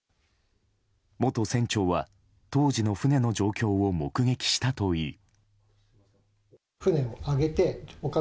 元船長は当時の船の状況を目撃したといい。